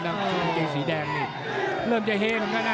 ชุดกีศีรักเนี่ยเริ่มจะเฮ่กันก่อนนะ